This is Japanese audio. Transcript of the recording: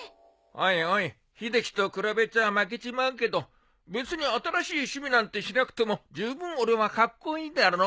おいおい秀樹と比べちゃあ負けちまうけど別に新しい趣味なんてしなくてもじゅうぶん俺はカッコイイだろ？